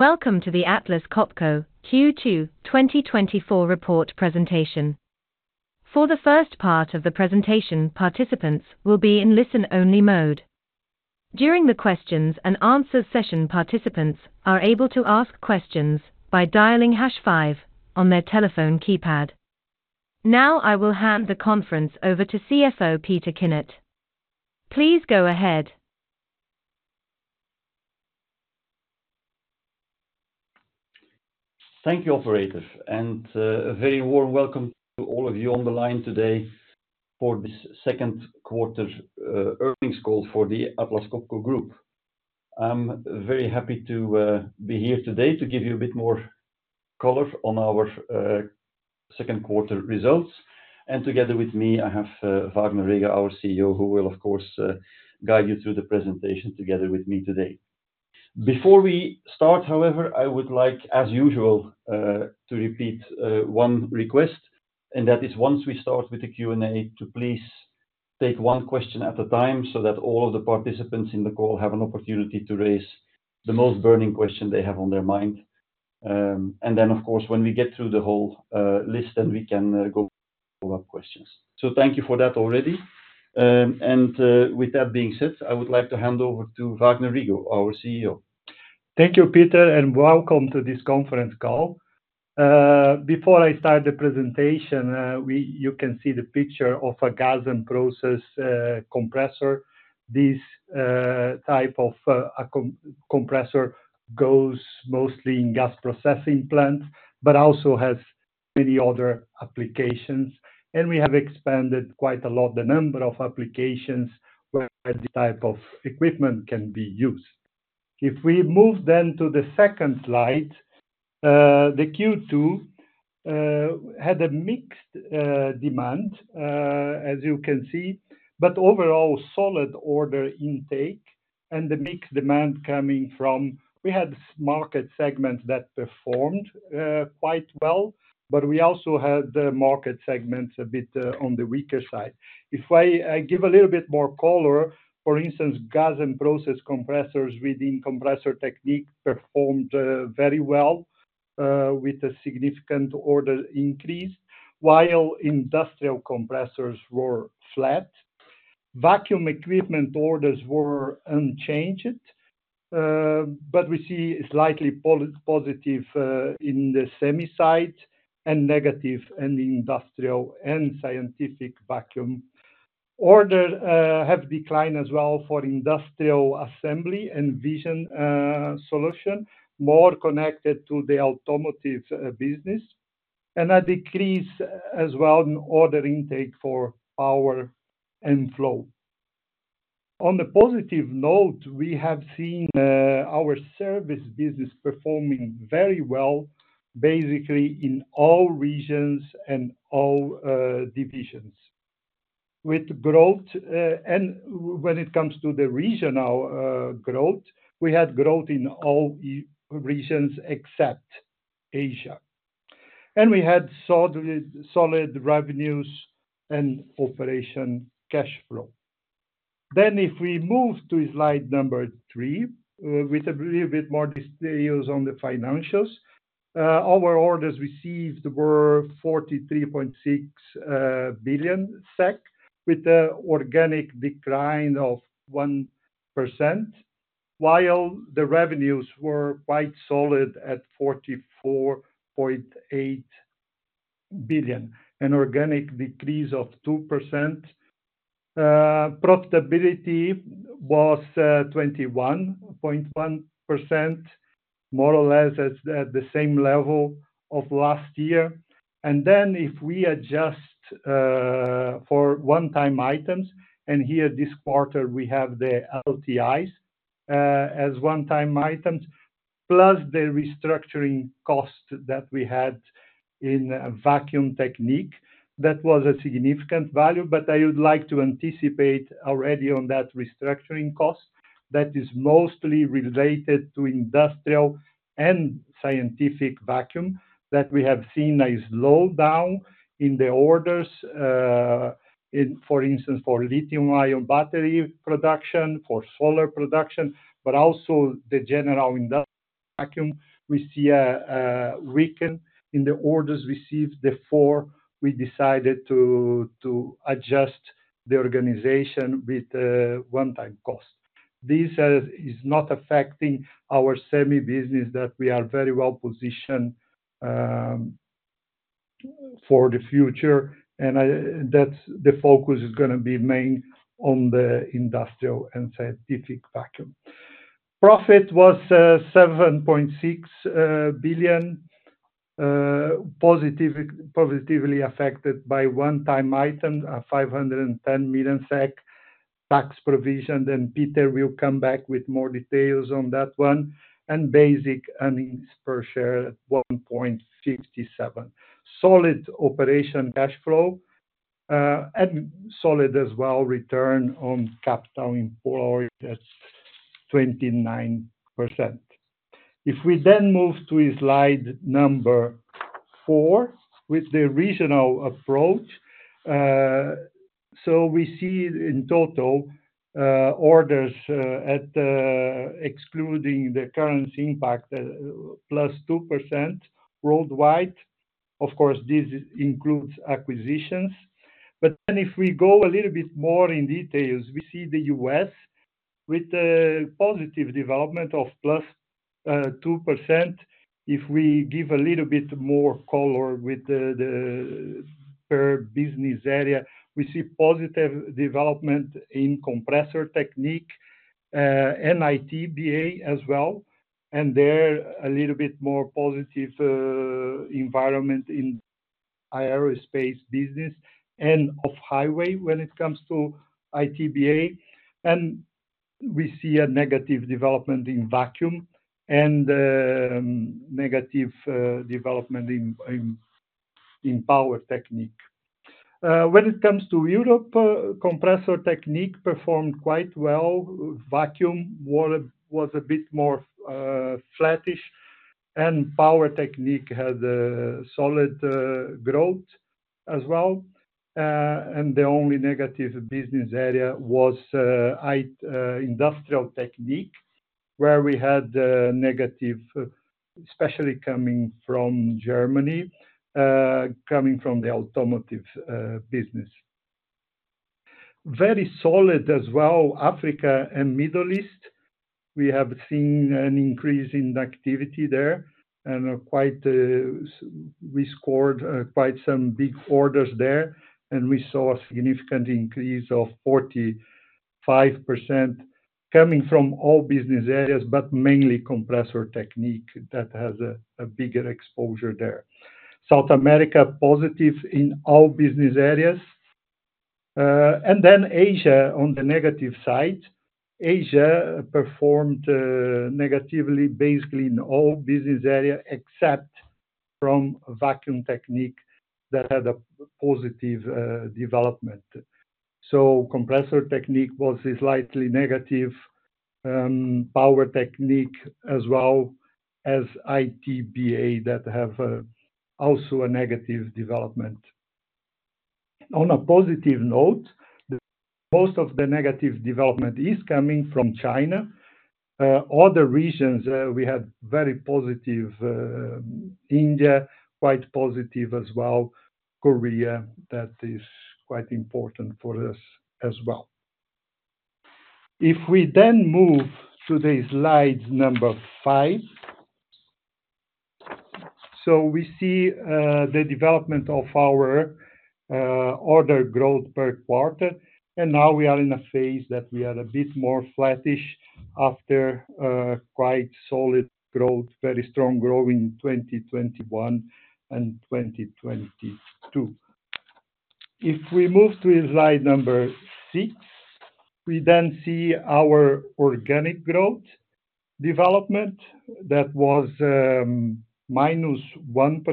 Welcome to the Atlas Copco Q2 2024 Report Presentation. For the first part of the presentation, participants will be in listen-only mode. During the questions and answers session, participants are able to ask questions by dialing hash five on their telephone keypad. Now, I will hand the conference over to CFO, Peter Kinnart. Please go ahead. Thank you, operator, and a very warm welcome to all of you on the line today for this second quarter earnings call for the Atlas Copco Group. I'm very happy to be here today to give you a bit more color on our second quarter results. And together with me, I have Vagner Rego, our CEO, who will, of course, guide you through the presentation together with me today. Before we start, however, I would like, as usual, to repeat one request, and that is once we start with the Q&A, to please take one question at a time, so that all of the participants in the call have an opportunity to raise the most burning question they have on their mind. And then, of course, when we get through the whole list, then we can go for follow-up questions. So thank you for that already. With that being said, I would like to hand over to Vagner Rego, our CEO. Thank you, Peter, and welcome to this conference call. Before I start the presentation, you can see the picture of a Gas and Process compressor. This type of compressor goes mostly in gas processing plants, but also has many other applications, and we have expanded quite a lot the number of applications where this type of equipment can be used. If we move then to the second slide, the Q2 had a mixed demand as you can see, but overall solid order intake and the mixed demand coming from... We had market segments that performed quite well, but we also had the market segments a bit on the weaker side. If I give a little bit more color, for instance, Gas and Process compressors within Compressor Technique performed very well with a significant order increase, while industrial compressors were flat. Vacuum equipment orders were unchanged, but we see slightly positive in the semi side and negative in Industrial and Scientific Vacuum. orders have declined as well for Industrial Assembly and Vision Solutions, more connected to the automotive business, and a decrease as well in order intake for Power and Flow. On the positive note, we have seen our service business performing very well, basically in all regions and all divisions. With growth, and when it comes to the regional growth, we had growth in all regions except Asia, and we had solid revenues and operating cash flow. Then, if we move to slide number three, with a little bit more details on the financials. Our orders received were 43.6 billion SEK, with an organic decline of 1%, while the revenues were quite solid at 44.8 billion, an organic decrease of 2%. Profitability was 21.1%, more or less at the same level of last year. And then, if we adjust for one-time items, and here this quarter, we have the LTIs as one-time items, plus the restructuring cost that we had in Vacuum Technique. That was a significant value, but I would like to anticipate already on that restructuring cost that is mostly related Industrial and Scientific Vacuum that we have seen a slowdown in the orders, for instance, for lithium-ion battery production, for solar production, but also the general Industrial Vacuum. We see a weakening in the orders received, therefore, we decided to adjust the organization with a one-time cost. This is not affecting our semi business that we are very well positioned for the future, and that the focus is gonna be mainly on Industrial and Scientific Vacuum. profit was 7.6 billion, positively affected by one-time item, 510 million SEK tax provision, and Peter will come back with more details on that one, and basic earnings per share at 1.57. Solid operating cash flow, and solid as well, return on capital employed, that's 29%. If we then move to slide number four, with the regional approach. So we see in total, orders at, excluding the currency impact, +2% worldwide. Of course, this includes acquisitions. But then if we go a little bit more in detail, we see the U.S. with a positive development of +2%. If we give a little bit more color with the per business area, we see positive development in Compressor Technique, and ITBA as well. And there's a little bit more positive environment in aerospace business and off-highway when it comes to ITBA. And we see a negative development in Vacuum Technique, and negative development in Power Technique. When it comes to Europe, Compressor Technique performed quite well. Vacuum Technique was a bit more flattish, and Power Technique had a solid growth as well. And the only negative business area was Industrial Technique, where we had a negative, especially coming from Germany, coming from the automotive business. Very solid as well, Africa and Middle East. We have seen an increase in activity there, and are quite. We scored quite some big orders there, and we saw a significant increase of 45% coming from all business areas, but mainly Compressor Technique that has a bigger exposure there. South America, positive in all business areas. And then Asia, on the negative side, Asia performed negatively, basically in all business areas, except from Vacuum Technique that had a positive development. Compressor Technique was slightly negative, Power Technique, as well as ITBA, that have also a negative development. On a positive note, most of the negative development is coming from China. Other regions, we had very positive, India, quite positive as well. Korea, that is quite important for us as well. If we then move to the slide number five. So we see the development of our order growth per quarter, and now we are in a phase that we are a bit more flattish after quite solid growth, very strong growth in 2021 and 2022. If we move to slide number six, we then see our organic growth development. That was minus 1%,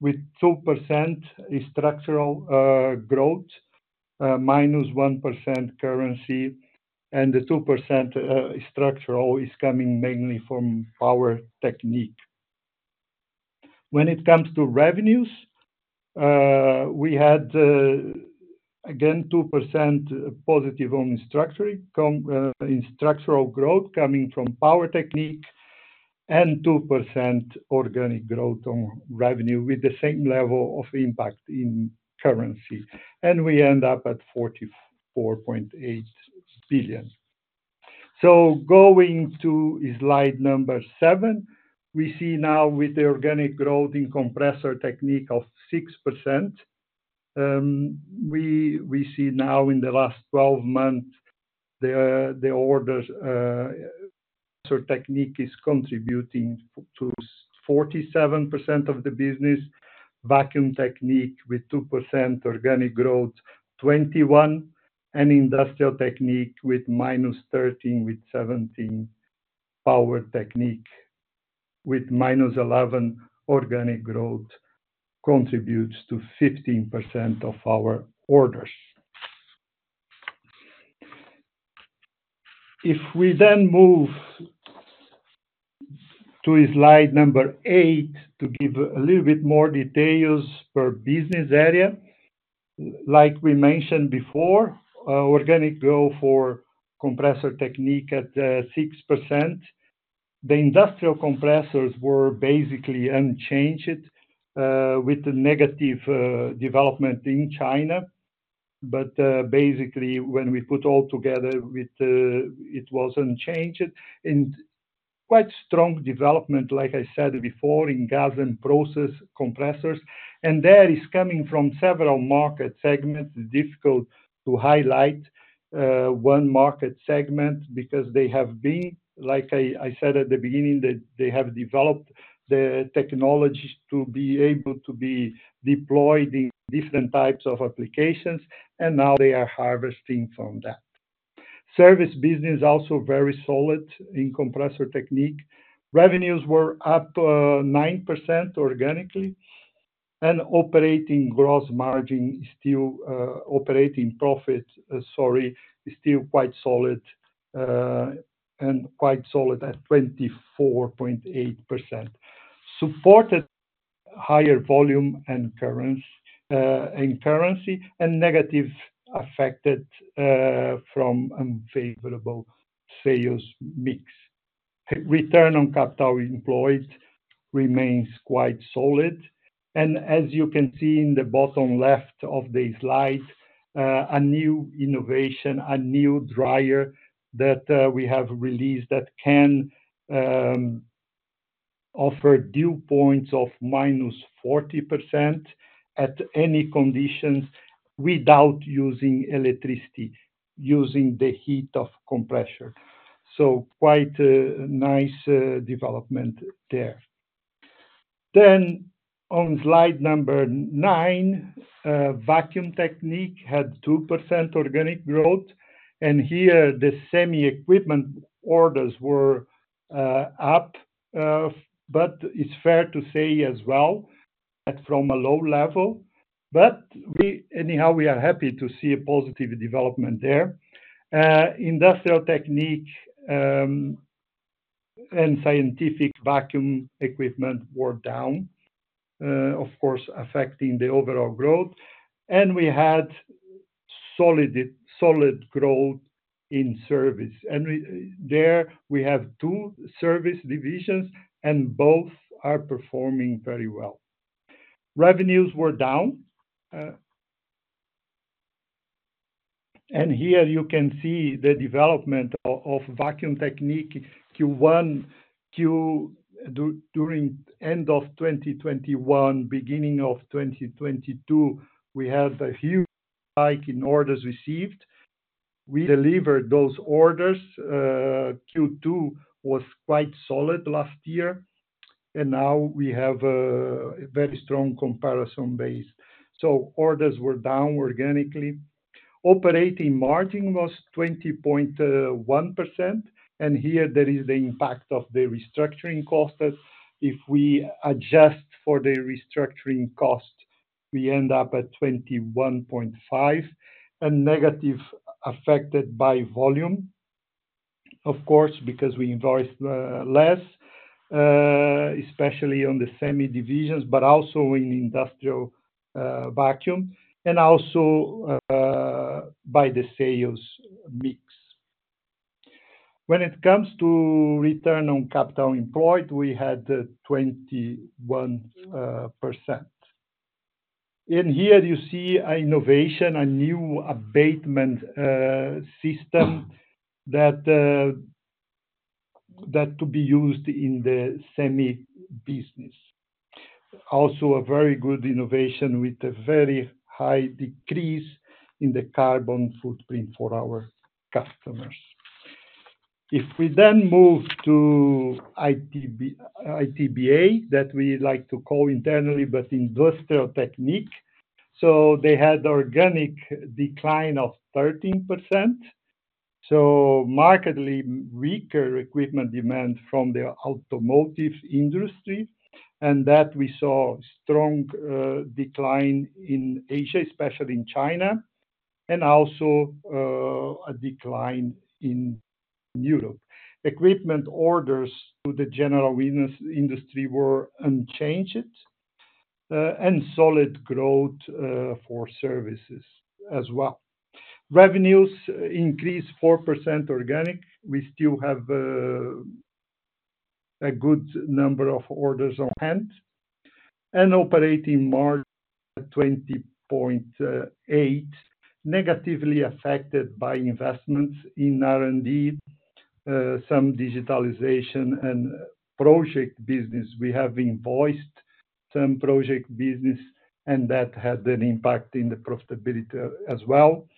with 2% structural growth, minus 1% currency, and the 2% structural is coming mainly from Power Technique. When it comes to revenues, we had, again, 2% positive on structuring, in structural growth coming from Power Technique, and 2% organic growth on revenue, with the same level of impact in currency. And we end up at 44.8 billion. So going to slide number seven, we see now with the organic growth in Compressor Technique of 6%, we see now in the last 12 months, the orders, so technique is contributing to 47% of the business. Vacuum Technique with 2% organic growth, 21, and Industrial Technique with -13, with 17 Power Technique, with -11 organic growth, contributes to 15% of our orders. If we then move to slide number eight, to give a little bit more details per business area. Like we mentioned before, organic growth for Compressor Technique at 6%. The industrial compressors were basically unchanged, with the negative development in China. But basically, when we put all together with the... It was unchanged, and quite strong development, like I said before, in Gas and Process compressors. And that is coming from several market segments. It's difficult to highlight one market segment, because they have been, like I said at the beginning, that they have developed the technologies to be able to be deployed in different types of applications, and now they are harvesting from that. Service business also very solid in Compressor Technique. Revenues were up 9% organically... and operating gross margin is still operating profit, sorry, is still quite solid and quite solid at 24.8%. Supported higher volume and currency, and currency, and negative affected from unfavorable sales mix. Return on Capital Employed remains quite solid, and as you can see in the bottom left of the slide, a new innovation, a new dryer that we have released that can offer dew points of -40 at any conditions without using electricity, using the heat of compressor. So quite a nice development there. Then on slide number nine, Vacuum Technique had 2% organic growth, and here the semi equipment orders were up, but it's fair to say as well that from a low level. But we anyhow, we are happy to see a positive development there. Industrial Technique and Scientific Vacuum equipment were down, of course, affecting the overall growth. And we had solid, solid growth in service. We have two service divisions, and both are performing very well. Revenues were down, and here you can see the development of Vacuum Technique, Q1 to during the end of 2021, beginning of 2022, we had a huge hike in orders received. We delivered those orders. Q2 was quite solid last year, and now we have a very strong comparison base. So orders were down organically. Operating margin was 20.1%, and here there is the impact of the restructuring costs. If we adjust for the restructuring cost, we end up at 21.5%, and negative affected by volume. Of course, because we invoice less, especially on the semi divisions, but also in Industrial Vacuum, and also by the sales mix. When it comes to return on capital employed, we had 21%. And here you see a innovation, a new abatement system, that to be used in the semi business. Also, a very good innovation with a very high decrease in the carbon footprint for our customers. If we then move to ITB- ITBA, that we like to call internally, but Industrial Technique. So they had organic decline of 13%, so markedly weaker equipment demand from the automotive industry, and that we saw strong decline in Asia, especially in China, and also a decline in Europe. Equipment orders to the general industry were unchanged, and solid growth for services as well. Revenues increased 4% organic. We still have a good number of orders on hand, and operating margin at 20.8%, negatively affected by investments in R&D, some digitalization and project business. We have invoiced some project business, and that had an impact in the profitability as well.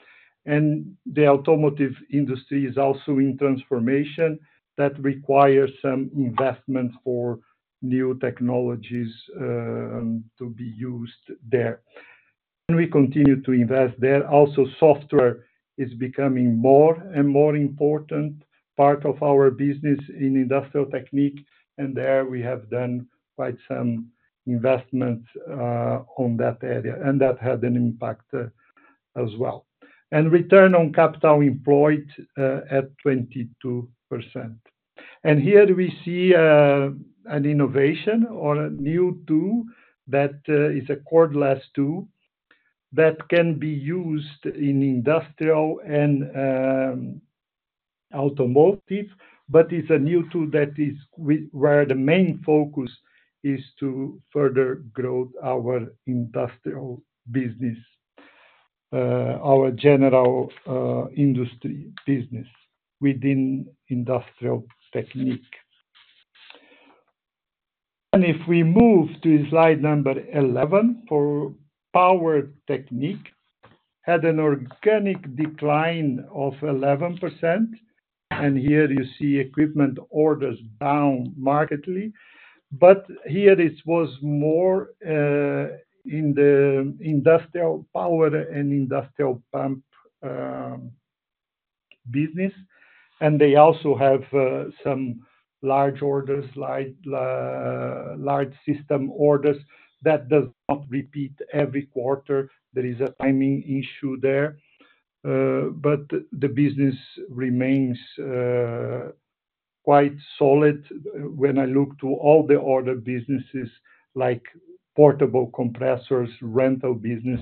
The automotive industry is also in transformation that requires some investment for new technologies to be used there. We continue to invest there. Also, software is becoming more and more important part of our business in Industrial Technique, and there we have done quite some investment on that area, and that had an impact as well. Return on Capital Employed at 22%. Here we see an innovation or a new tool that is a cordless tool that can be used in industrial and automotive, but it's a new tool that is. Where the main focus is to further grow our industrial business, our general industry business within Industrial Technique. And if we move to slide number 11, for Power Technique, had an organic decline of 11%, and here you see equipment orders down markedly. But here it was more in the industrial power and industrial pump business, and they also have some large orders, like large system orders that does not repeat every quarter. There is a timing issue there, but the business remains quite solid. When I look to all the other businesses, like portable compressors, rental business,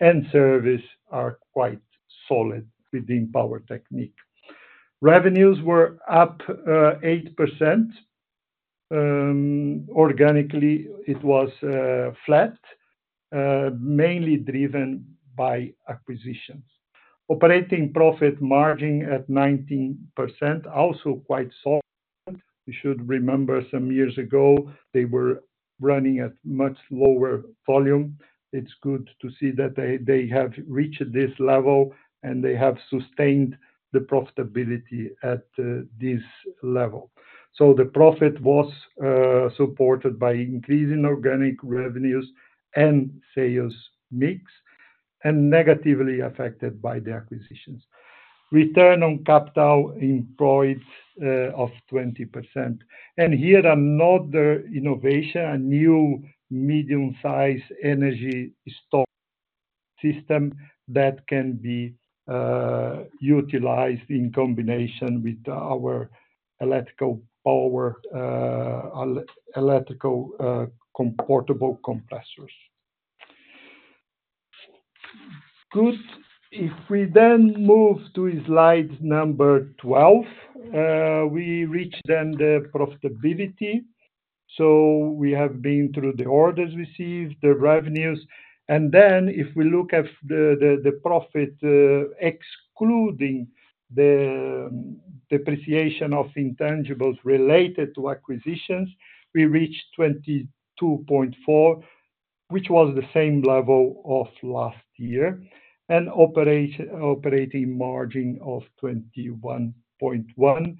and service are quite solid within Power Technique. Revenues were up 8%. Organically, it was flat, mainly driven by acquisitions. Operating profit margin at 19%, also quite solid. We should remember some years ago, they were running at much lower volume. It's good to see that they, they have reached this level, and they have sustained the profitability at this level. So the profit was supported by increasing organic revenues and sales mix, and negatively affected by the acquisitions. Return on Capital Employed of 20%. And here, another innovation, a new medium-size energy storage system that can be utilized in combination with our electrical power, electrical portable compressors. Good. If we then move to slide number 12, we reach then the profitability. So we have been through the orders received, the revenues, and then if we look at the profit, excluding the depreciation of intangibles related to acquisitions, we reached 22.4%, which was the same level of last year, and operating margin of 21.1%,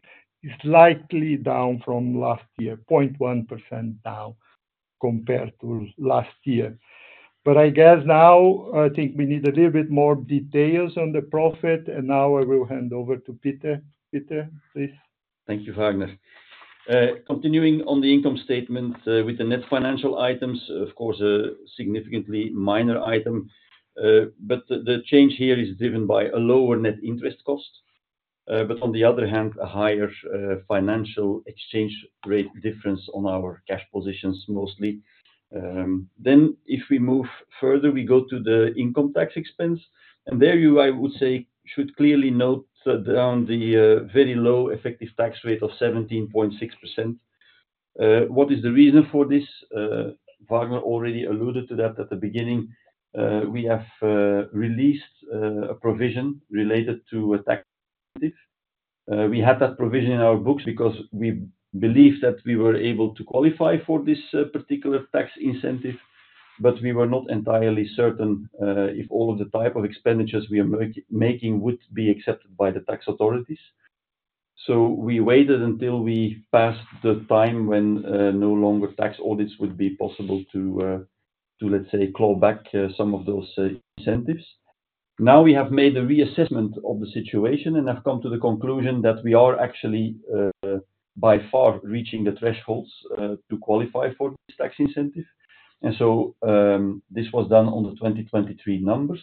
slightly down from last year, 0.1% down compared to last year. But I guess now, I think we need a little bit more details on the profit, and now I will hand over to Peter. Peter, please. Thank you, Vagner. Continuing on the income statement, with the net financial items, of course, a significantly minor item, but the change here is driven by a lower net interest cost, but on the other hand, a higher financial exchange rate difference on our cash positions, mostly. Then if we move further, we go to the income tax expense, and there you, I would say, should clearly note down the very low effective tax rate of 17.6%. What is the reason for this? Vagner already alluded to that at the beginning. We have released a provision related to a tax incentive. We had that provision in our books because we believed that we were able to qualify for this particular tax incentive, but we were not entirely certain if all of the type of expenditures we are making would be accepted by the tax authorities. So we waited until we passed the time when no longer tax audits would be possible to let's say claw back some of those incentives. Now, we have made a reassessment of the situation and have come to the conclusion that we are actually by far reaching the thresholds to qualify for this tax incentive. This was done on the 2023 numbers,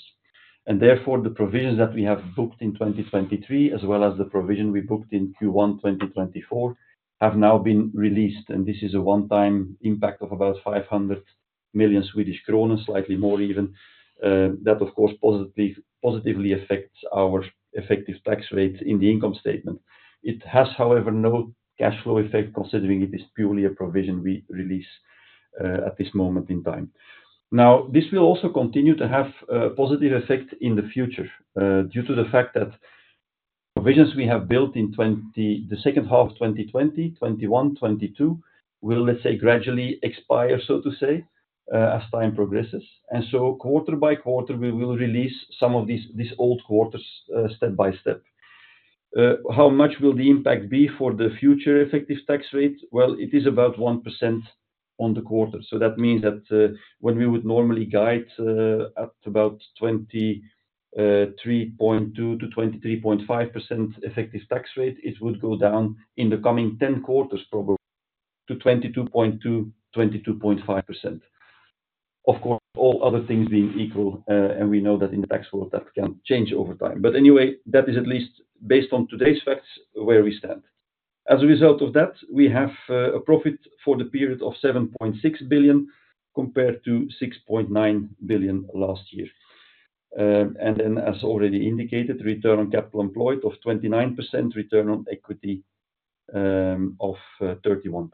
and therefore, the provisions that we have booked in 2023, as well as the provision we booked in Q1 2024, have now been released, and this is a one-time impact of about 500 million, slightly more even. That, of course, positively, positively affects our effective tax rate in the income statement. It has, however, no cash flow effect, considering it is purely a provision we release at this moment in time. Now, this will also continue to have a positive effect in the future due to the fact that provisions we have built in the second half of 2020, 2021, 2022, will, let's say, gradually expire, so to say, as time progresses. And so quarter by quarter, we will release some of these, these old quarters, step by step. How much will the impact be for the future effective tax rate? Well, it is about 1% on the quarter. So that means that, when we would normally guide, at about 23.2%-23.5% effective tax rate, it would go down in the coming 10 quarters, probably, to 22.2%-22.5%. Of course, all other things being equal, and we know that in the tax world, that can change over time. But anyway, that is at least based on today's facts, where we stand. As a result of that, we have, a profit for the period of 7.6 billion compared to 6.9 billion last year. And then, as already indicated, Return on Capital Employed of 29%, return on equity of 31%.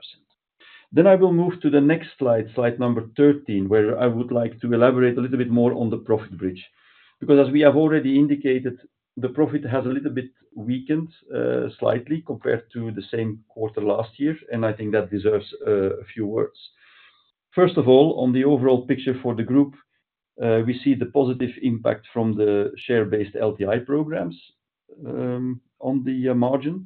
Then I will move to the next slide, slide number 13, where I would like to elaborate a little bit more on the profit bridge. Because as we have already indicated, the profit has a little bit weakened slightly compared to the same quarter last year, and I think that deserves a few words. First of all, on the overall picture for the group, we see the positive impact from the share-based LTI programs on the margin,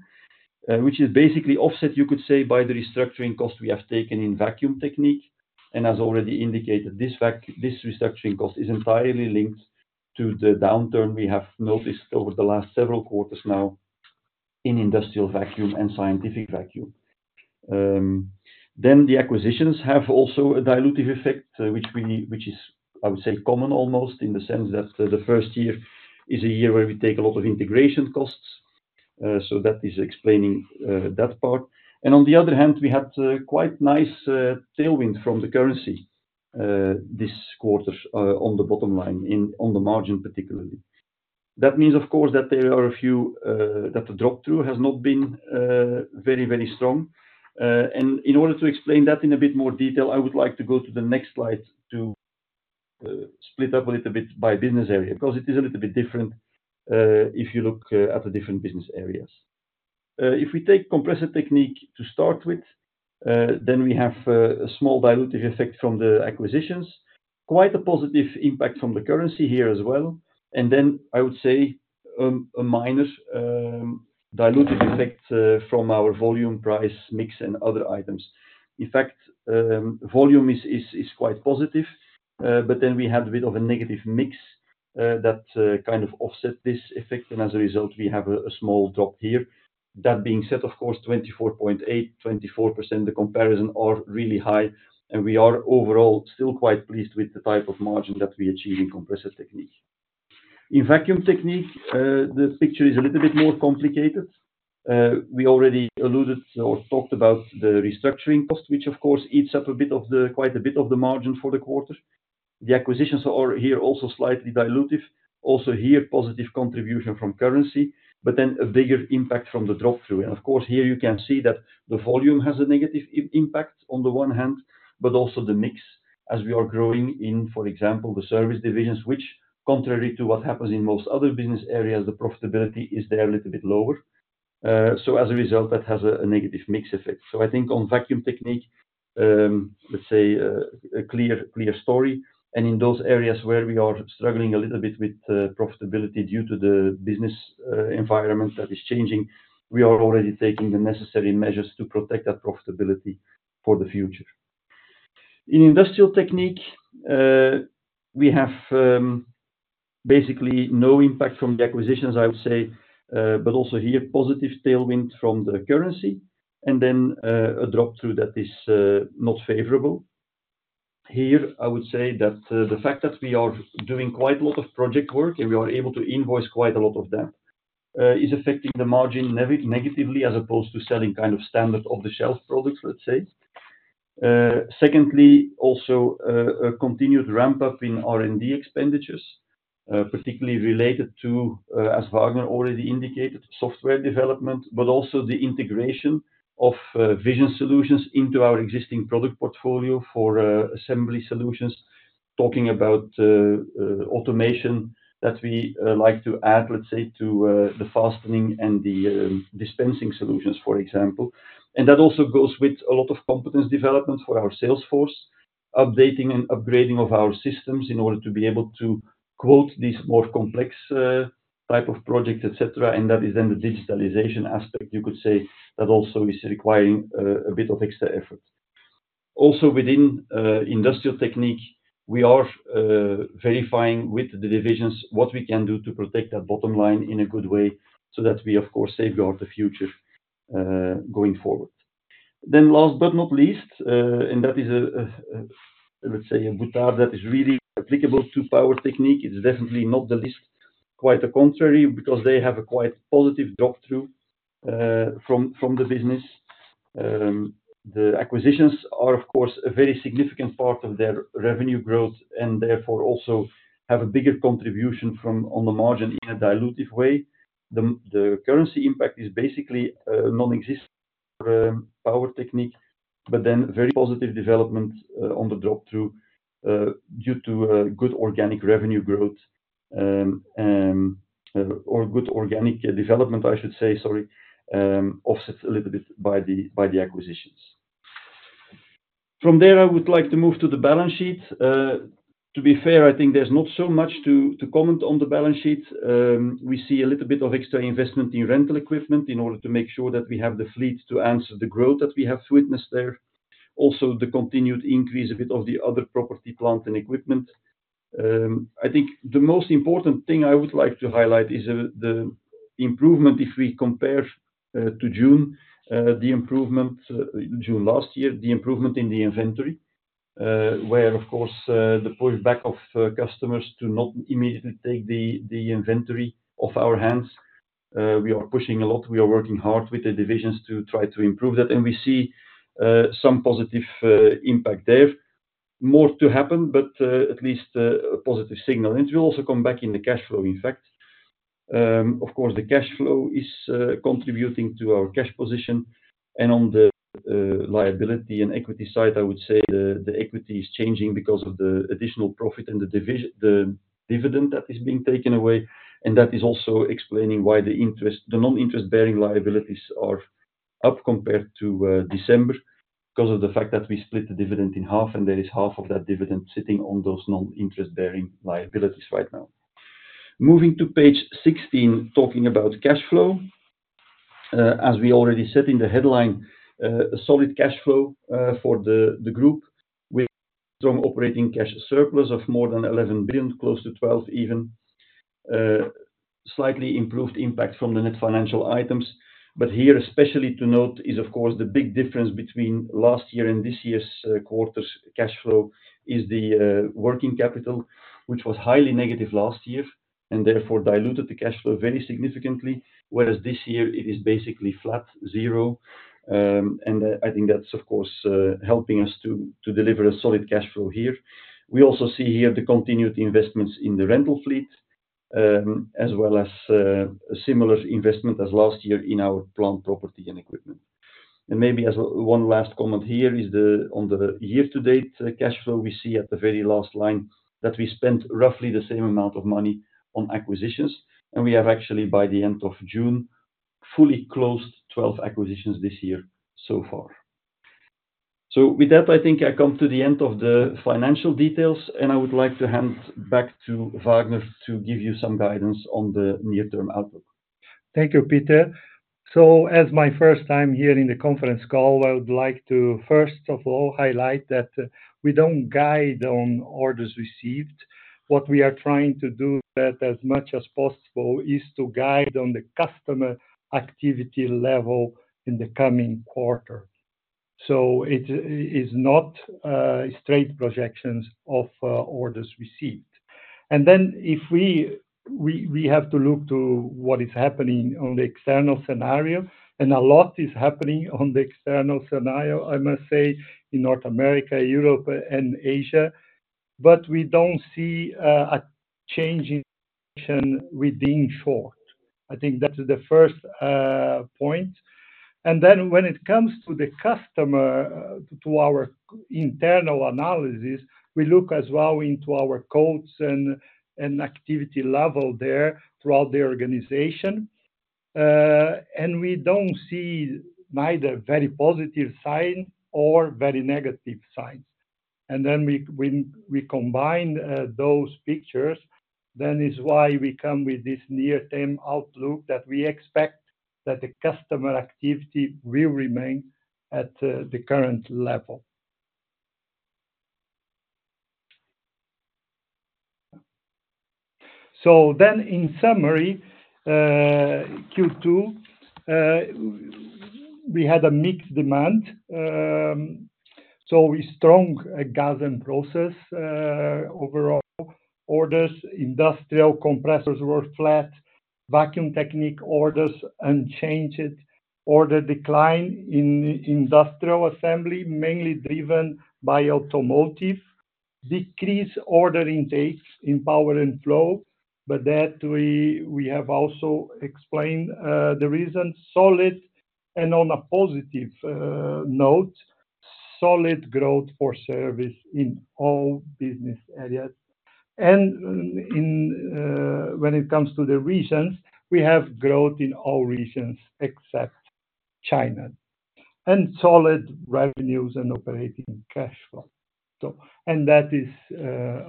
which is basically offset, you could say, by the restructuring costs we have taken in Vacuum Technique. As already indicated, this restructuring cost is entirely linked to the downturn we have noticed over the last several quarters now in Industrial Vacuum and Scientific Vacuum. Then the acquisitions have also a dilutive effect, which is, I would say, common almost, in the sense that the first year is a year where we take a lot of integration costs. So that is explaining that part. And on the other hand, we had quite nice tailwind from the currency this quarter on the bottom line on the margin, particularly. That means, of course, that the drop-through has not been very, very strong. In order to explain that in a bit more detail, I would like to go to the next slide to split up a little bit by business area, because it is a little bit different, if you look at the different business areas. If we take Compressor Technique to start with, then we have a small dilutive effect from the acquisitions. Quite a positive impact from the currency here as well, and then I would say a minor dilutive effect from our volume, price, mix, and other items. In fact, volume is quite positive, but then we had a bit of a negative mix that kind of offset this effect, and as a result, we have a small drop here. That being said, of course, 24.8, 24%, the comparisons are really high, and we are overall still quite pleased with the type of margin that we achieve in Compressor Technique. In Vacuum Technique, the picture is a little bit more complicated. We already alluded or talked about the restructuring cost, which of course eats up quite a bit of the margin for the quarter. The acquisitions are here also slightly dilutive. Also here, positive contribution from currency, but then a bigger impact from the drop-through. And of course, here you can see that the volume has a negative impact on the one hand, but also the mix as we are growing in, for example, the service divisions, which contrary to what happens in most other business areas, the profitability is there a little bit lower. So as a result, that has a negative mix effect. So I think on Vacuum Technique, let's say, a clear story. And in those areas where we are struggling a little bit with profitability due to the business environment that is changing, we are already taking the necessary measures to protect that profitability for the future. In Industrial Technique, we have basically no impact from the acquisitions, I would say, but also here, positive tailwind from the currency, and then a drop-through that is not favorable. Here, I would say that the fact that we are doing quite a lot of project work, and we are able to invoice quite a lot of that, is affecting the margin negatively, as opposed to selling kind of standard off-the-shelf products, let's say. Secondly, also, a continued ramp-up in R&D expenditures, particularly related to, as Vagner already indicated, software development, but also the integration of, Vision Solutions into our existing product portfolio for, Assembly Solutions. Talking about, automation that we, like to add, let's say, to, the fastening and the, dispensing solutions, for example. And that also goes with a lot of competence development for our sales force, updating and upgrading of our systems in order to be able to quote these more complex, type of projects, et cetera, and that is then the digitalization aspect, you could say, that also is requiring, a bit of extra effort. Also within Industrial Technique, we are verifying with the divisions what we can do to protect that bottom line in a good way, so that we, of course, safeguard the future going forward. Then last but not least, and that is, let's say, a boutade that is really applicable to Power Technique. It's definitely not the least, quite the contrary, because they have a quite positive drop-through from the business. The acquisitions are, of course, a very significant part of their revenue growth and therefore, also have a bigger contribution from on the margin in a dilutive way. The currency impact is basically nonexistent, Power Technique, but then very positive development on the drop-through due to good organic revenue growth or good organic development, I should say, sorry, offsets a little bit by the acquisitions. From there, I would like to move to the balance sheet. To be fair, I think there's not so much to comment on the balance sheet. We see a little bit of extra investment in rental equipment in order to make sure that we have the fleet to answer the growth that we have witnessed there. Also, the continued increase a bit of the other property, plant, and equipment. I think the most important thing I would like to highlight is the improvement if we compare to June last year, the improvement in the inventory, where, of course, the pushback of customers to not immediately take the inventory off our hands. We are pushing a lot, we are working hard with the divisions to try to improve that, and we see some positive impact there. More to happen, but at least a positive signal. And it will also come back in the cash flow, in fact. Of course, the cash flow is contributing to our cash position, and on the liability and equity side, I would say the equity is changing because of the additional profit and the dividend that is being taken away. That is also explaining why the interest, the non-interest bearing liabilities are up compared to December, because of the fact that we split the dividend in half, and there is half of that dividend sitting on those non-interest bearing liabilities right now. Moving to page 16, talking about cash flow. As we already said in the headline, a solid cash flow for the group with strong operating cash surplus of more than 11 billion, close to 12 billion even. Slightly improved impact from the net financial items, but here, especially to note, is of course the big difference between last year and this year's quarter's cash flow is the working capital, which was highly negative last year and therefore diluted the cash flow very significantly, whereas this year it is basically flat, zero. And, I think that's, of course, helping us to deliver a solid cash flow here. We also see here the continued investments in the rental fleet, as well as, similar investment as last year in our plant, property and equipment. Maybe as one last comment here is the, on the year to date, cash flow, we see at the very last line, that we spent roughly the same amount of money on acquisitions, and we have actually, by the end of June, fully closed 12 acquisitions this year so far. With that, I think I come to the end of the financial details, and I would like to hand back to Vagner to give you some guidance on the near term outlook. Thank you, Peter. So as my first time here in the conference call, I would like to first of all highlight that, we don't guide on orders received. What we are trying to do that as much as possible, is to guide on the customer activity level in the coming quarter. So it is not, straight projections of, orders received. And then if we have to look to what is happening on the external scenario, and a lot is happening on the external scenario, I must say, in North America, Europe, and Asia, but we don't see, a change in within short. I think that is the first, point. And then when it comes to the customer, to our internal analysis, we look as well into our quotes and, activity level there throughout the organization. We don't see neither very positive sign or very negative signs. Then we, when we combine, those pictures, then is why we come with this near term outlook that we expect that the customer activity will remain at, the current level. So then, in summary, Q2, we had a mixed demand. So we strong Gas and Process, overall orders. Industrial compressors were flat, Vacuum Technique orders unchanged, order decline in Industrial Assembly, mainly driven by automotive. Decrease order intakes in Power and Flow, but that we have also explained, the reason. Solid and on a positive, note, solid growth for service in all business areas. And in, when it comes to the regions, we have growth in all regions except China, and solid revenues and operating cash flow. So. And that is,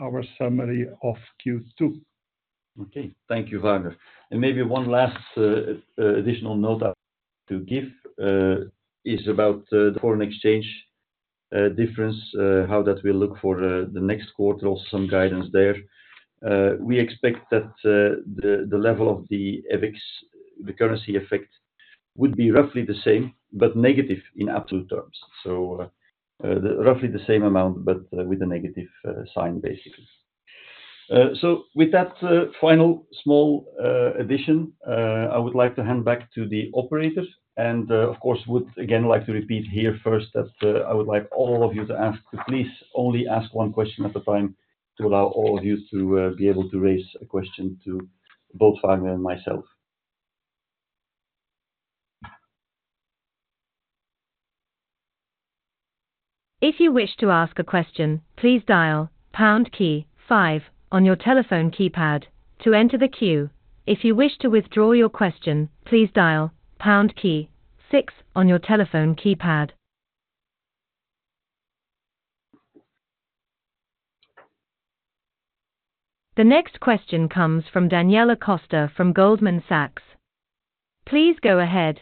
our summary of Q2. Okay. Thank you, Vagner. And maybe one last additional note to give is about the foreign exchange difference, how that will look for the next quarter or some guidance there. We expect that the level of the FX, the currency effect, would be roughly the same, but negative in absolute terms. So, the roughly the same amount, but with a negative sign, basically. So with that final small addition, I would like to hand back to the operator, and of course would again like to repeat here first that I would like all of you to please only ask one question at a time, to allow all of you to be able to raise a question to both Vagner and myself. If you wish to ask a question, please dial pound key five on your telephone keypad to enter the queue. If you wish to withdraw your question, please dial pound key six on your telephone keypad. The next question comes from Daniela Costa from Goldman Sachs. Please go ahead.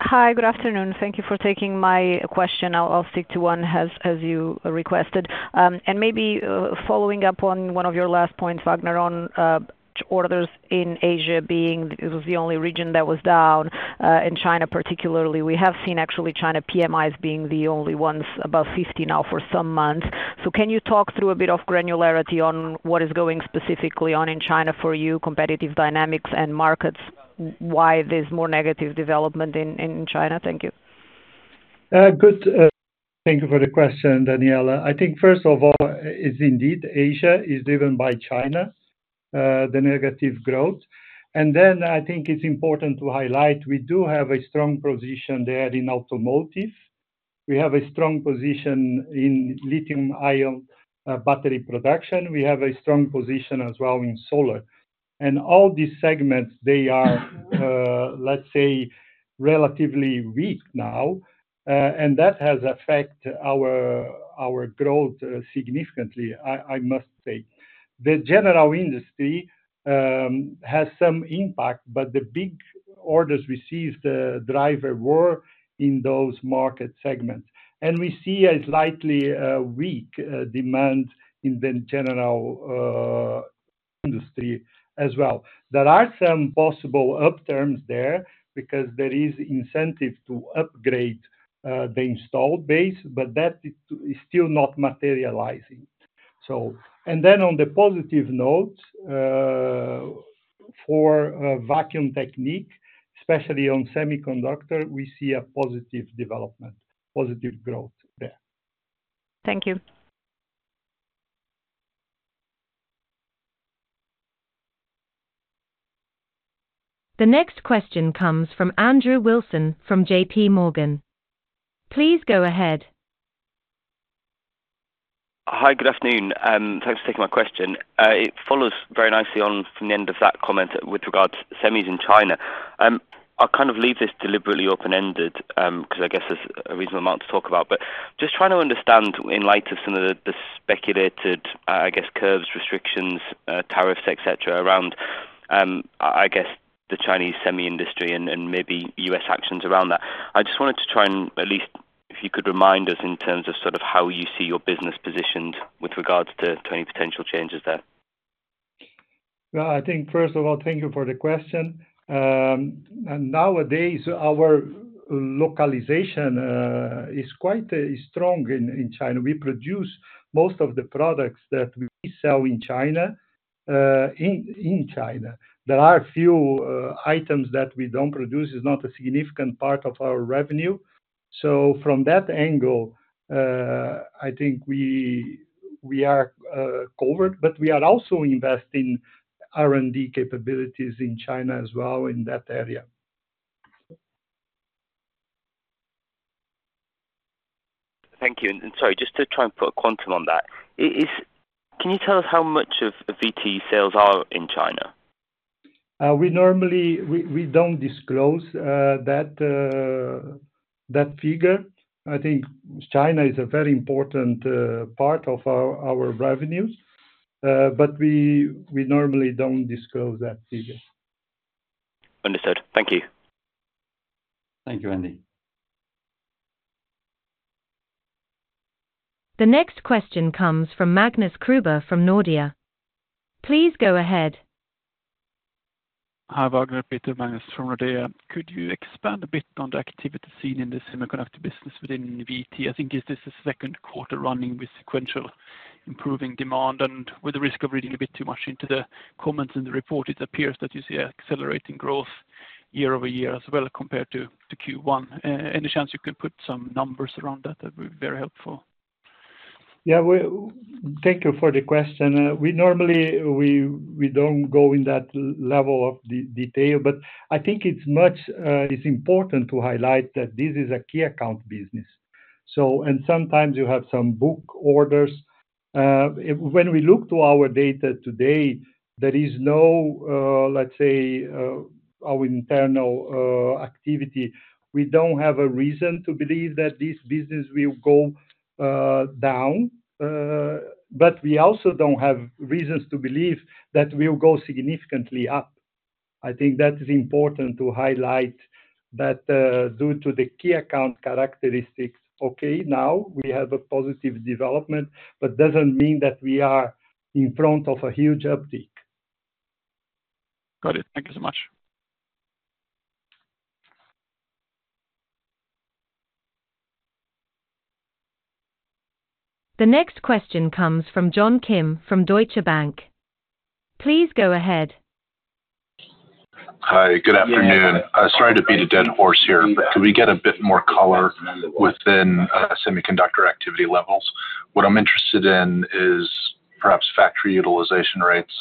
Hi, good afternoon. Thank you for taking my question. I'll stick to one as you requested. And maybe following up on one of your last points, Vagner, on orders in Asia being... It was the only region that was down in China particularly. We have seen actually China PMIs being the only ones above 50 now for some months. So can you talk through a bit of granularity on what is going specifically on in China for you, competitive dynamics and markets, why there's more negative development in China? Thank you. Good, thank you for the question, Daniela. I think first of all, is indeed Asia is driven by China, the negative growth. And then I think it's important to highlight, we do have a strong position there in automotive. We have a strong position in lithium ion, battery production. We have a strong position as well in solar. And all these segments, they are, relatively weak now, and that has affect our, our growth significantly, I must say. The general industry, has some impact, but the big orders received, the driver were in those market segments. And we see a slightly, weak, demand in the general, industry as well. There are some possible upturns there, because there is incentive to upgrade, the installed base, but that is, still not materializing. So, and then on the positive note, for Vacuum Technique, especially on Semiconductor, we see a positive development, positive growth there. Thank you. The next question comes from Andrew Wilson from JPMorgan. Please go ahead. Hi, good afternoon. Thanks for taking my question. It follows very nicely on from the end of that comment with regards to semis in China. I'll kind of leave this deliberately open-ended, 'cause I guess there's a reasonable amount to talk about. But just trying to understand, in light of some of the speculated, I guess, curves, restrictions, tariffs, et cetera, around, I guess the Chinese semi industry and maybe U.S. actions around that. I just wanted to try and at least if you could remind us in terms of sort of how you see your business positioned with regards to any potential changes there? Well, I think first of all, thank you for the question. And nowadays, our localization is quite strong in China. We produce most of the products that we sell in China, in China. There are a few items that we don't produce, it's not a significant part of our revenue. So from that angle, I think we are covered, but we are also investing R&D capabilities in China as well, in that area. Thank you. Sorry, just to try and put a quantum on that. Is... Can you tell us how much of the VT sales are in China? We normally don't disclose that figure. I think China is a very important part of our revenues, but we normally don't disclose that figure. Understood. Thank you. Thank you, Andy. The next question comes from Magnus Kruber from Nordea. Please go ahead. Hi, Vagner, Magnus Kruber from Nordea. Could you expand a bit on the activity seen in the semiconductor business within VT? I think is this the second quarter running with sequential improving demand, and with the risk of reading a bit too much into the comments in the report, it appears that you see accelerating growth year over year as well, compared to, to Q1. Any chance you could put some numbers around that, that'd be very helpful. Yeah, well, thank you for the question. We normally don't go in that level of detail, but I think it's much, it's important to highlight that this is a key account business. So, and sometimes you have some big orders. When we look to our data today, there is no, let's say, our internal activity. We don't have a reason to believe that this business will go down, but we also don't have reasons to believe that we will go significantly up. I think that is important to highlight that, due to the key account characteristics, okay, now we have a positive development, but doesn't mean that we are in front of a huge uptick. Got it. Thank you so much. The next question comes from John Kim from Deutsche Bank. Please go ahead. Hi, good afternoon. Sorry to beat a dead horse here, but can we get a bit more color within semiconductor activity levels? What I'm interested in is perhaps factory utilization rates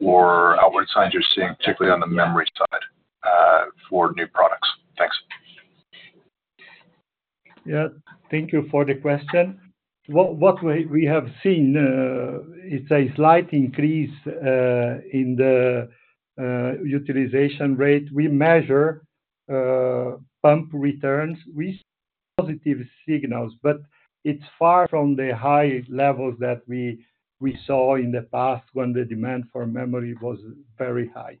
or outward signs you're seeing, particularly on the memory side, for new products. Thanks. Yeah, thank you for the question. What we have seen is a slight increase in the utilization rate. We measure pump returns. We see positive signals, but it's far from the high levels that we saw in the past when the demand for memory was very high.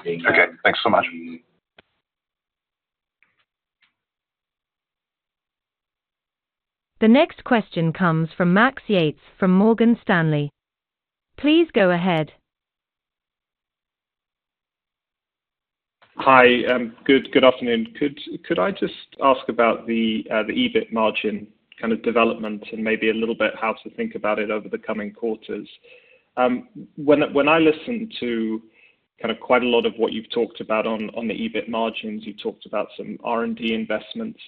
Okay, thanks so much. The next question comes from Max Yates from Morgan Stanley. Please go ahead. Hi, good, good afternoon. Could, could I just ask about the, the EBIT margin kind of development and maybe a little bit how to think about it over the coming quarters? When I listened to kind of quite a lot of what you've talked about on the EBIT margins, you talked about some R&D investments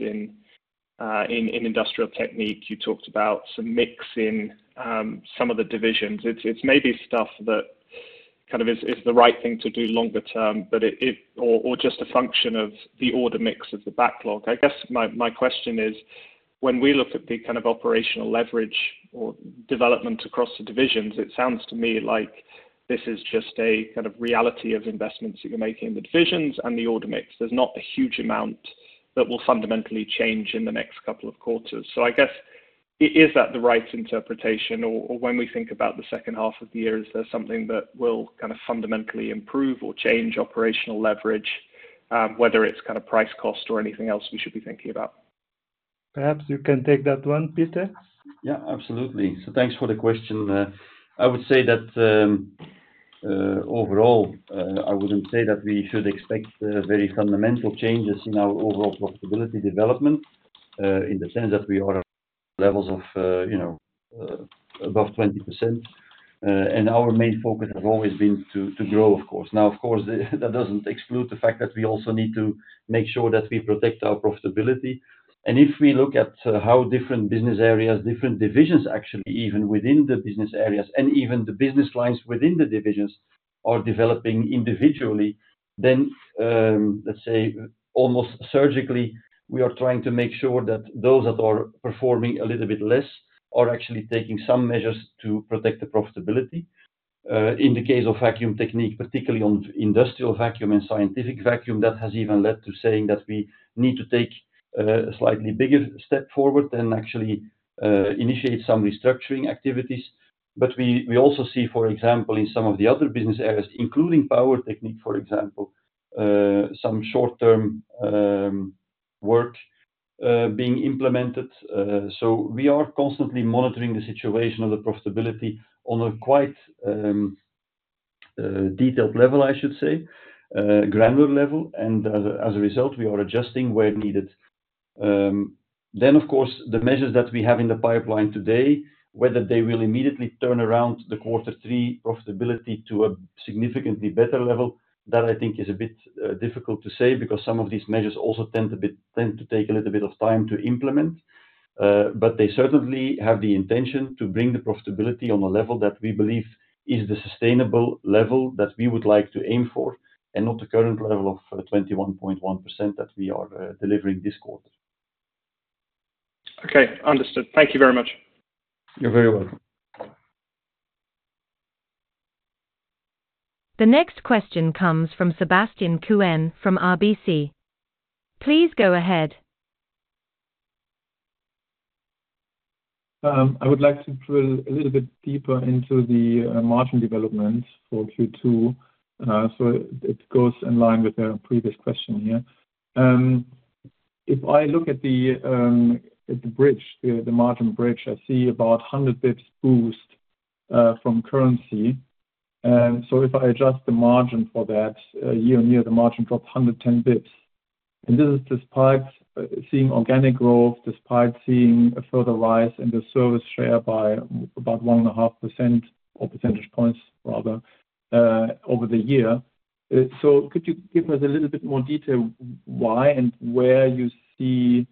in industrial technique. You talked about some mix in some of the divisions. It's maybe stuff that kind of is the right thing to do longer term, but it... or just a function of the order mix of the backlog. I guess my question is-... When we look at the kind of operational leverage or development across the divisions, it sounds to me like this is just a kind of reality of investments that you're making in the divisions and the order mix. There's not a huge amount that will fundamentally change in the next couple of quarters. So I guess, is that the right interpretation? Or, or when we think about the second half of the year, is there something that will kind of fundamentally improve or change operational leverage, whether it's kind of price, cost, or anything else we should be thinking about? Perhaps you can take that one, Peter. Yeah, absolutely. So thanks for the question. I would say that overall, I wouldn't say that we should expect very fundamental changes in our overall profitability development, in the sense that we are at levels of, you know, above 20%. And our main focus has always been to grow, of course. Now, of course, that doesn't exclude the fact that we also need to make sure that we protect our profitability. And if we look at how different business areas, different divisions, actually, even within the business areas and even the business lines within the divisions are developing individually, then, let's say almost surgically, we are trying to make sure that those that are performing a little bit less are actually taking some measures to protect the profitability. In the case of Vacuum Technique, particularly on Industrial Vacuum and Scientific Vacuum, that has even led to saying that we need to take a slightly bigger step forward and actually initiate some restructuring activities. But we, we also see, for example, in some of the other business areas, including Power Technique, for example, some short-term work being implemented. So we are constantly monitoring the situation of the profitability on a quite detailed level, I should say, granular level, and as a result, we are adjusting where needed. Then, of course, the measures that we have in the pipeline today, whether they will immediately turn around the quarter three profitability to a significantly better level, that I think is a bit difficult to say, because some of these measures also tend to take a little bit of time to implement. But they certainly have the intention to bring the profitability on a level that we believe is the sustainable level that we would like to aim for, and not the current level of 21.1% that we are delivering this quarter. Okay, understood. Thank you very much. You're very welcome. The next question comes from Sebastian Kuenne from RBC. Please go ahead. I would like to drill a little bit deeper into the margin development for Q2. So it goes in line with the previous question here. If I look at the bridge, the margin bridge, I see about 100 basis points boost from currency. And so if I adjust the margin for that, year-on-year, the margin drops 110 basis points. And this is despite seeing organic growth, despite seeing a further rise in the service share by about 1.5 percentage points, rather, over the year. So could you give us a little bit more detail why and where you see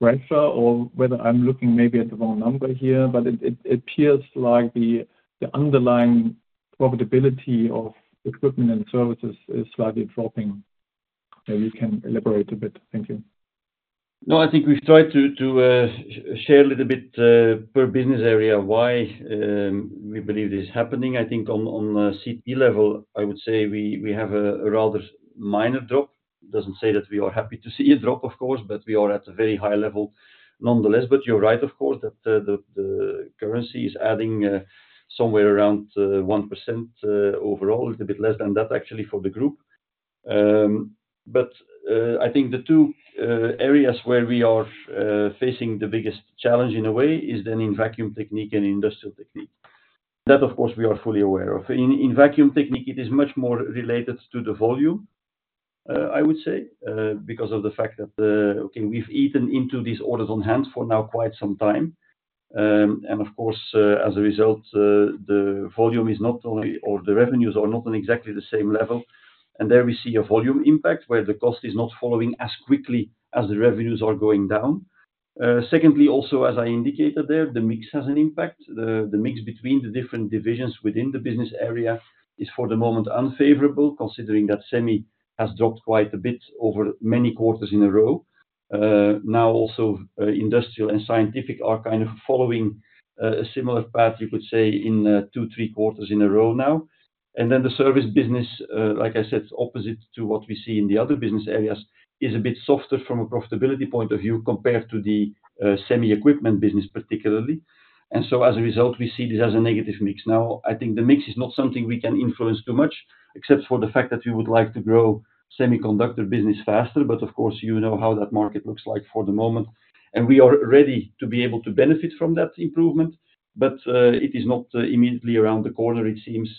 pressure, or whether I'm looking maybe at the wrong number here, but it appears like the underlying profitability of equipment and services is slightly dropping. Maybe you can elaborate a bit. Thank you. No, I think we've tried to share a little bit per business area, why we believe this is happening. I think on a CP level, I would say we have a rather minor drop. Doesn't say that we are happy to see a drop, of course, but we are at a very high level nonetheless. But you're right, of course, that the currency is adding somewhere around 1% overall. It's a bit less than that, actually, for the group. But I think the two areas where we are facing the biggest challenge in a way is then in Vacuum Technique and Industrial Technique. That, of course, we are fully aware of. In Vacuum Technique, it is much more related to the volume, I would say, because of the fact that, okay, we've eaten into these orders on hand for now quite some time. And of course, as a result, the volume is not only- or the revenues are not on exactly the same level, and there we see a volume impact where the cost is not following as quickly as the revenues are going down. Secondly, also, as I indicated there, the mix has an impact. The mix between the different divisions within the business area is, for the moment, unfavorable, considering that Semi has dropped quite a bit over many quarters in a row. Now also, Industrial and Scientific are kind of following a similar path, you could say, in two, three quarters in a row now. And then the service business, like I said, opposite to what we see in the other business areas, is a bit softer from a profitability point of view compared to the Semi equipment business, particularly. And so, as a result, we see this as a negative mix. Now, I think the mix is not something we can influence too much, except for the fact that we would like to grow Semiconductor business faster. But of course, you know how that market looks like for the moment, and we are ready to be able to benefit from that improvement, but it is not immediately around the corner, it seems.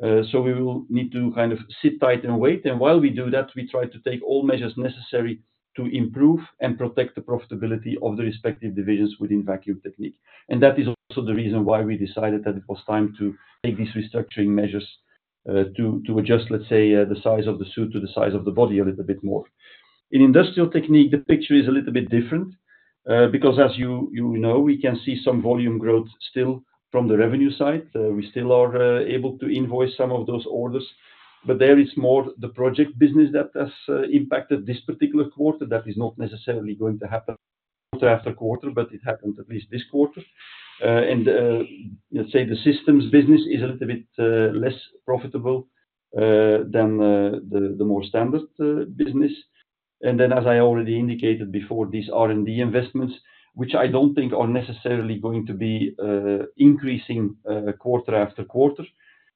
So we will need to kind of sit tight and wait, and while we do that, we try to take all measures necessary to improve and protect the profitability of the respective divisions within Vacuum Technique. That is also the reason why we decided that it was time to take these restructuring measures, to adjust, let's say, the size of the suit to the size of the body a little bit more. In Industrial Technique, the picture is a little bit different, because as you know, we can see some volume growth still from the revenue side. We still are able to invoice some of those orders. But there is more the project business that has impacted this particular quarter. That is not necessarily going to happen after quarter, but it happened at least this quarter. And, let's say the systems business is a little bit less profitable than the more standard business. And then, as I already indicated before, these R&D investments, which I don't think are necessarily going to be increasing quarter after quarter.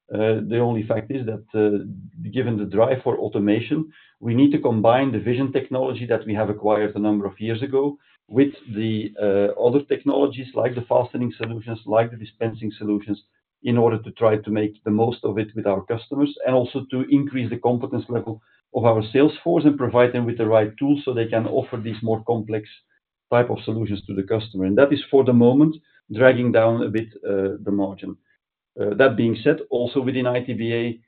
The only fact is that, given the drive for automation, we need to combine the vision technology that we have acquired a number of years ago with the other technologies, like the fastening solutions, like the dispensing solutions, in order to try to make the most of it with our customers. And also to increase the competence level of our sales force and provide them with the right tools, so they can offer these more complex type of solutions to the customer. And that is, for the moment, dragging down a bit the margin. That being said, also within ITBA,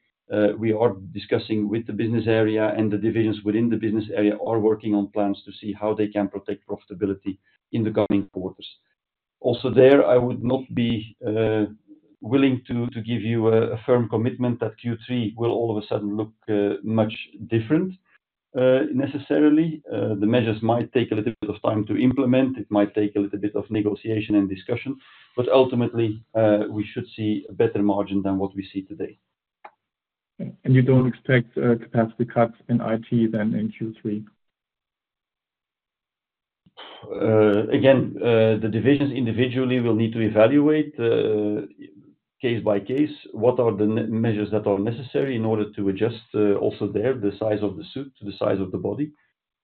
we are discussing with the business area, and the divisions within the business area are working on plans to see how they can protect profitability in the coming quarters. Also there, I would not be willing to give you a firm commitment that Q3 will all of a sudden look much different, necessarily. The measures might take a little bit of time to implement. It might take a little bit of negotiation and discussion, but ultimately, we should see a better margin than what we see today. You don't expect capacity cuts in IT then in Q3? Again, the divisions individually will need to evaluate, case by case, what are the measures that are necessary in order to adjust, also there, the size of the suit to the size of the body.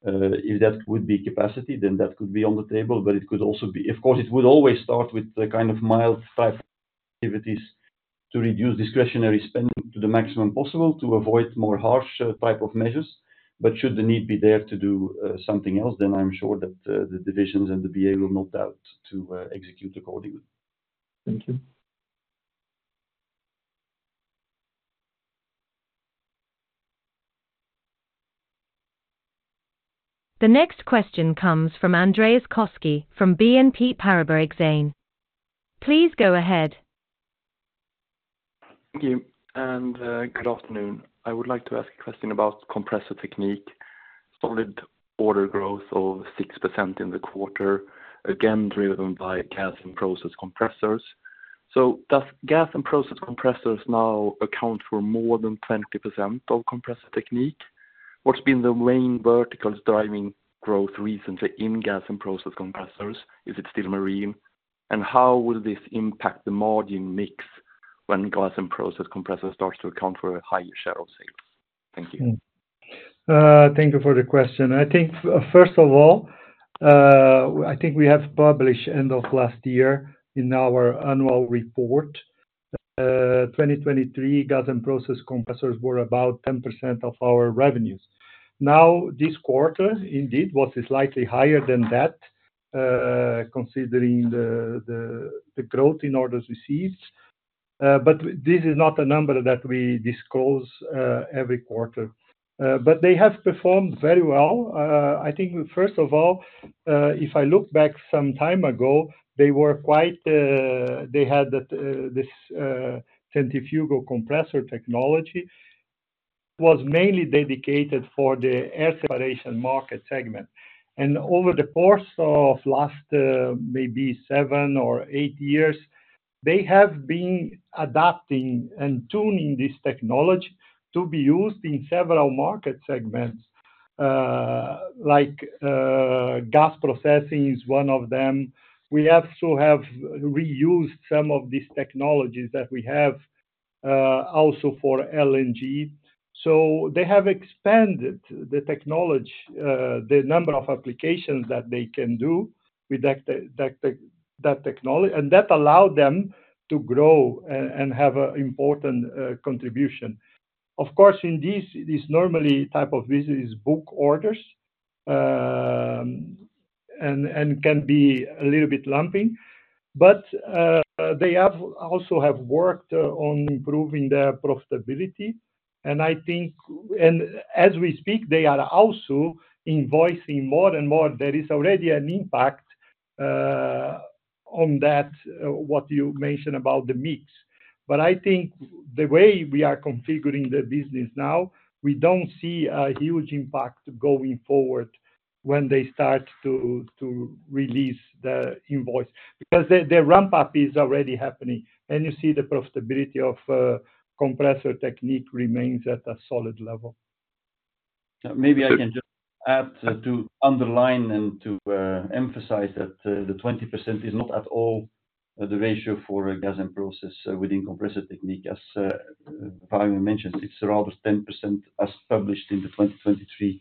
If that would be capacity, then that could be on the table, but it could also be of course, it would always start with the kind of mild five activities to reduce discretionary spending to the maximum possible, to avoid more harsh type of measures. But should the need be there to do something else, then I'm sure that the divisions and the BA will not doubt to execute accordingly. Thank you. The next question comes from Andreas Koski from BNP Paribas Exane. Please go ahead. Thank you, and good afternoon. I would like to ask a question about Compressor Technique. Solid order growth of 6% in the quarter, again, driven by Gas and Process compressors. So does Gas and Process compressors now account for more than 20% of Compressor Technique? What's been the main verticals driving growth recently in Gas and Process compressors? Is it still marine? And how will this impact the margin mix when Gas and Process compressors starts to account for a higher share of sales? Thank you. Thank you for the question. I think, first of all, I think we have published end of last year in our annual report, 2023 Gas and Process compressors were about 10% of our revenues. Now, this quarter, indeed, was slightly higher than that, considering the growth in orders we see. But this is not a number that we disclose every quarter. But they have performed very well. I think first of all, if I look back some time ago, they were quite. They had this centrifugal compressor technology, was mainly dedicated for the air separation market segment. And over the course of last, maybe seven or eight years, they have been adapting and tuning this technology to be used in several market segments. Like, gas processing is one of them. We also have reused some of these technologies that we have, also for LNG. So they have expanded the technology, the number of applications that they can do with that technology, and that allowed them to grow and have an important contribution. Of course, in this normal type of business is book orders, and can be a little bit lumpy. But they have also worked on improving their profitability. And I think, and as we speak, they are also invoicing more and more. There is already an impact on that, what you mentioned about the mix. But I think the way we are configuring the business now, we don't see a huge impact going forward when they start to release the invoice. Because the ramp-up is already happening, and you see the profitability of Compressor Technique remains at a solid level. Maybe I can just add to underline and to emphasize that the 20% is not at all the ratio for Gas and Process within Compressor Technique. As Fabian mentioned, it's around 10%, as published in the 2023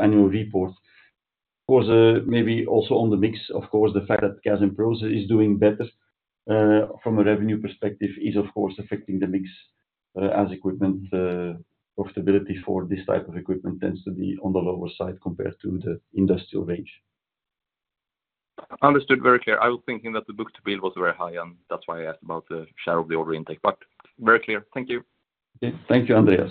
annual report. Of course, maybe also on the mix, of course, the fact that Gas and Process is doing better from a revenue perspective, is of course affecting the mix, as equipment profitability for this type of equipment tends to be on the lower side compared to the industrial range. Understood. Very clear. I was thinking that the book to build was very high, and that's why I asked about the share of the order intake, but very clear. Thank you. Thank you, Andreas.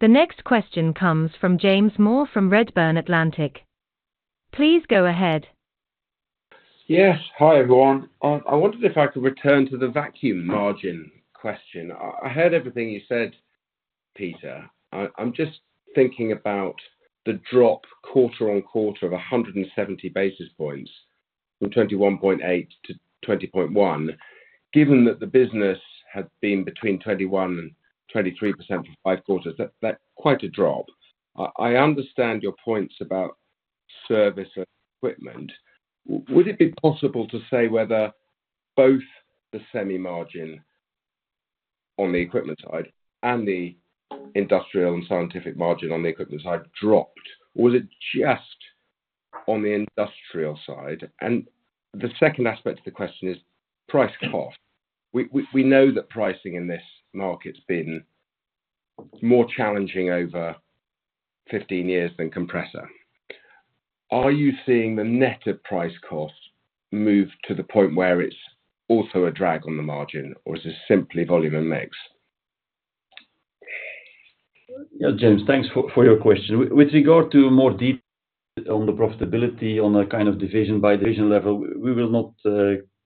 The next question comes from James Moore from Redburn Atlantic. Please go ahead. Yes. Hi, everyone. I wondered if I could return to the vacuum margin question. I heard everything you said, Peter. I'm just thinking about the drop quarter on quarter of 170 basis points from 21.8 to 20.1. Given that the business has been between 21%-23% for five quarters, that's quite a drop. I understand your points about service equipment. Would it be possible to say whether both the semi margin on the equipment side and the industrial and scientific margin on the equipment side dropped? Or was it just on the industrial side? And the second aspect to the question is price cost. We know that pricing in this market's been more challenging over 15 years than compressor. Are you seeing the net of price cost move to the point where it's also a drag on the margin, or is this simply volume and mix? Yeah, James, thanks for your question. With regard to more deep on the profitability, on a kind of division by division level, we will not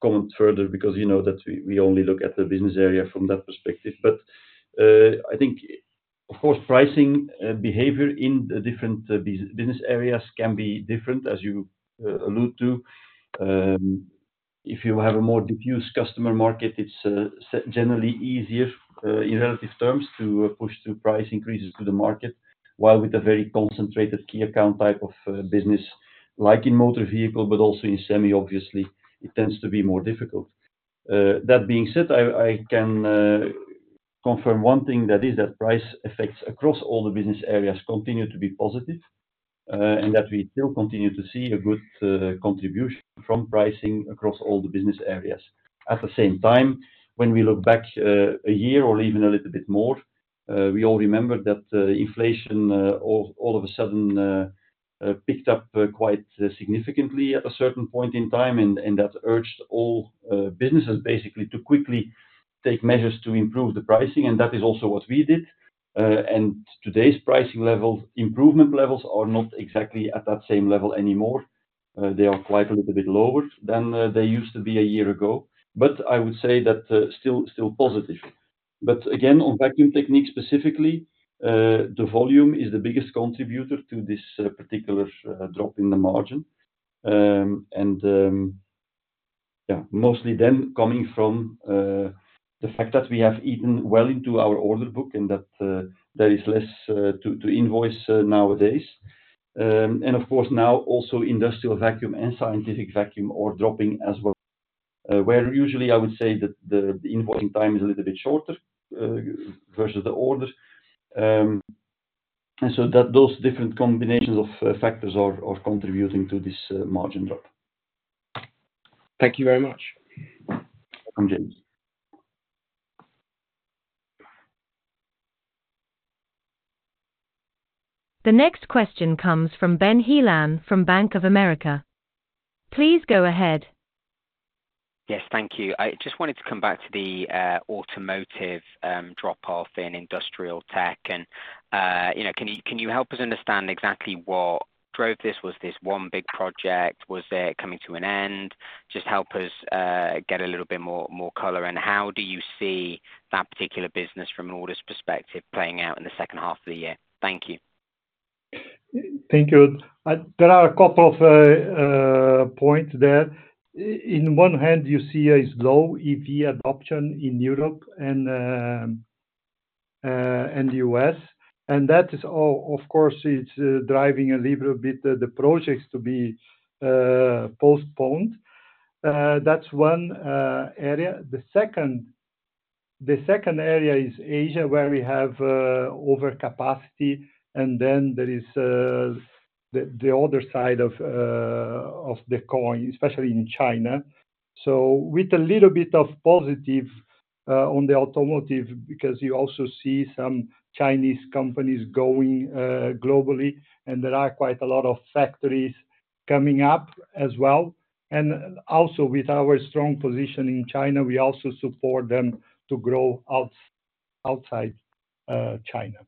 comment further because you know that we only look at the business area from that perspective. But I think, of course, pricing behavior in the different business areas can be different, as you allude to. If you have a more diffused customer market, it's generally easier, in relative terms, to push through price increases to the market, while with a very concentrated key account type of business, like in motor vehicle, but also in semi, obviously, it tends to be more difficult. That being said, I can confirm one thing, that is, that price effects across all the business areas continue to be positive, and that we still continue to see a good contribution from pricing across all the business areas. At the same time, when we look back a year or even a little bit more, we all remember that inflation all of a sudden picked up quite significantly at a certain point in time, and that urged all businesses basically to quickly take measures to improve the pricing, and that is also what we did. Today's pricing level, improvement levels, are not exactly at that same level anymore. They are quite a little bit lower than they used to be a year ago. But I would say that, still, still positive. But again, on Vacuum Technique specifically, the volume is the biggest contributor to this particular drop in the margin. And, mostly then coming from the fact that we have eaten well into our order book and that there is less to invoice nowadays. And of course, now also Industrial Vacuum and Scientific Vacuum are dropping as well, where usually I would say that the invoicing time is a little bit shorter versus the order. And so that those different combinations of factors are contributing to this margin drop. Thank you very much. Thank you, James. The next question comes from Ben Heelan from Bank of America. Please go ahead. Yes, thank you. I just wanted to come back to the automotive drop-off in Industrial Technique, and you know, can you help us understand exactly what drove this? Was this one big project? Was it coming to an end? Just help us get a little bit more color, and how do you see that particular business, from an orders perspective, playing out in the second half of the year? Thank you. Thank you. There are a couple of points there. In one hand, you see a low EV adoption in Europe and the US, and that is, of course, it's driving a little bit the projects to be postponed. That's one area. The second, the second area is Asia, where we have overcapacity, and then there is the other side of of the coin, especially in China. So with a little bit of positive on the automotive, because you also see some Chinese companies going globally, and there are quite a lot of factories coming up as well. And also, with our strong position in China, we also support them to grow outside China.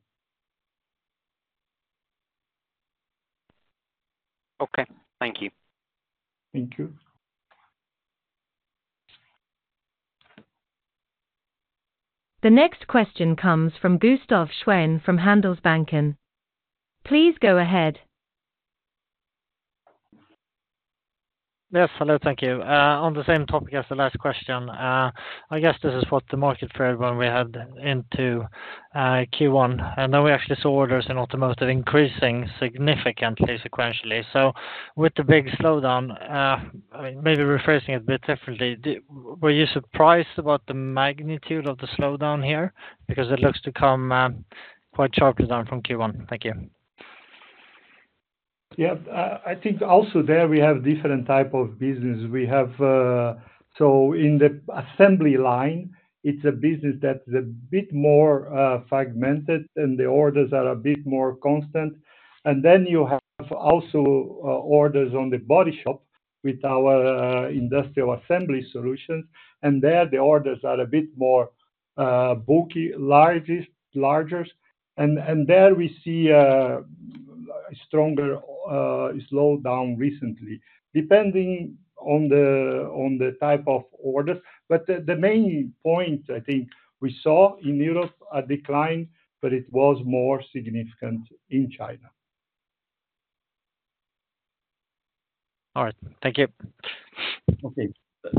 Okay. Thank you. Thank you. The next question comes from Gustaf Schwerin from Handelsbanken. Please go ahead. Yes, hello. Thank you. On the same topic as the last question, I guess this is what the market feared when we head into Q1, and now we actually saw orders in automotive increasing significantly, sequentially. So with the big slowdown, maybe rephrasing it a bit differently, were you surprised about the magnitude of the slowdown here? Because it looks to come quite sharply down from Q1. Thank you. Yeah. I think also there we have different type of business. We have... So in the assembly line, it's a business that's a bit more fragmented, and the orders are a bit more constant. And then you have also orders on the body shop with our Industrial Assembly Solution, and there the orders are a bit more bulky, larger. And there we see a stronger slowdown recently, depending on the type of orders. But the main point, I think, we saw in Europe, a decline, but it was more significant in China. All right. Thank you. Okay.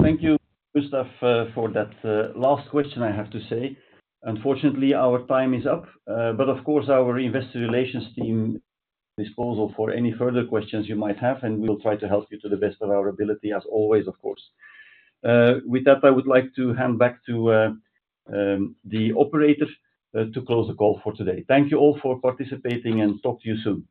Thank you, Gustaf, for that last question, I have to say. Unfortunately, our time is up, but of course, our investor relations team is at your disposal for any further questions you might have, and we will try to help you to the best of our ability as always, of course. With that, I would like to hand back to the operator to close the call for today. Thank you all for participating, and talk to you soon.